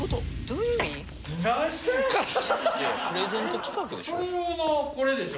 いやプレゼント企画でしょ？